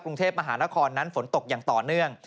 กรุงเทพมหานครนั้นฝนตกอย่างต่อเนื่อง